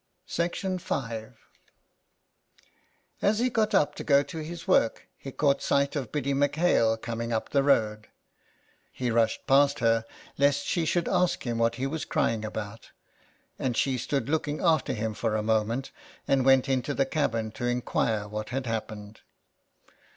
84 SOME PARISHIONERS. As he got up to go to his work he caught sight of Biddy M'Hale coming up the road ; he rushed past her lest she should ask him what he was crying about, and she stood looking after him for a moment, and went into the cabin to inquire what had happened.